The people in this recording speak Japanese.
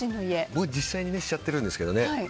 僕、実際にしちゃってるんですけどね。